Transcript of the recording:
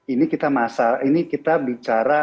ini kita bicara masa depan anak dan cucu kita